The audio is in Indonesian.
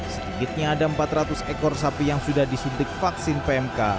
sedikitnya ada empat ratus ekor sapi yang sudah disuntik vaksin pmk